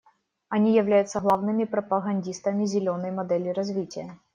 Они являются главными пропагандистами «зеленой» модели развития.